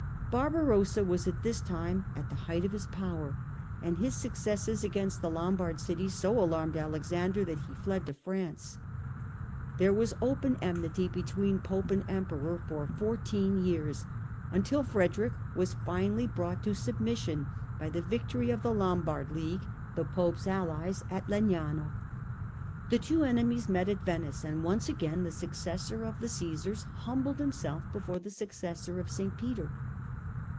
Barbarossa was at this time at the height of his power, and his successes against the Lombard cities so alarmed Alexander that he fled to France. There was open enmity between Pope and Emperor for fourteen years, until Frederick was finally brought to submission by the victory of the Lombard League, the Pope's allies, at Legnano. The two enemies met at Venice and once again the successor of the Caesars humbled himself before the successor of St. Peter.